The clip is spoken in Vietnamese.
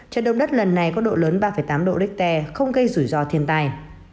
trận động đất lần này có độ lớn ba tám độ richter không gây rủi ro thiên tai